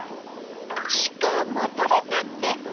しかもとれたて。